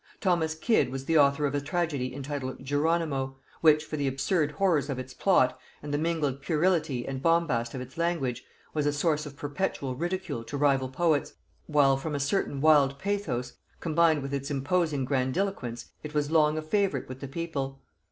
Thomas Kyd was the author of a tragedy entitled Jeronimo, which for the absurd horrors of its plot, and the mingled puerility and bombast of its language, was a source of perpetual ridicule to rival poets, while from a certain wild pathos combined with its imposing grandiloquence it was long a favorite with the people.